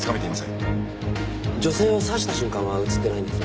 女性を刺した瞬間は映ってないんですね？